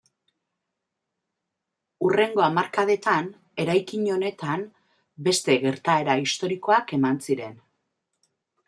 Hurrengo hamarkadetan eraikin honetan beste gertaera historikoak eman ziren.